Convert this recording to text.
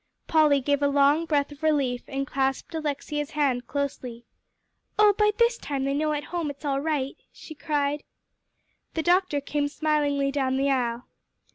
Polly gave a long breath of relief, and clasped Alexia's hand closely. "Oh, by this time they know at home it's all right," she cried. The doctor came smilingly down the aisle.